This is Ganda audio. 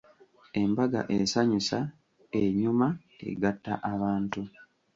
"Embaga esanyusa, enyuma, egatta abantu."